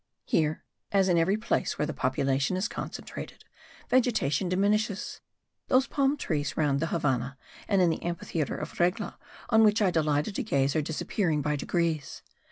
Here, as in every place where the population is concentrated, vegetation diminishes. Those palm trees round the Havannah and in the amphitheatre of Regla on which I delighted to gaze are disappearing by degrees.